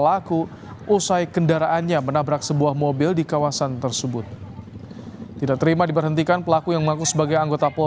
aksi tersebut sempat terekam kamera warga